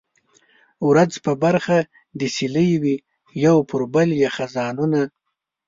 ورځ په برخه د سیلۍ وي یو پر بل یې خزانونه